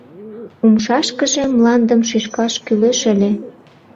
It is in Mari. — Умшашкыже мландым шӱшкаш кӱлеш ыле!